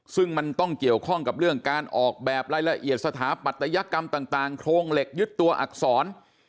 ซึ่งมันต้องเกี่ยวข้องกับเรื่องการออกแบบรายละเอียดสถาปัตยกรรมต่างโครงเหล็กยึดตัวอักษร